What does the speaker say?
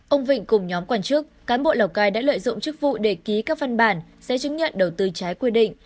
ông vịnh cùng nhóm quan chức cán bộ lào cai đã lợi dụng chức vụ để ký các văn bản giấy chứng nhận đầu tư trái quy định